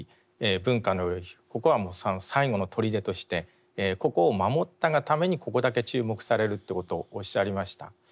ここはもう最後の砦としてここを守ったがためにここだけ注目されるということをおっしゃりました。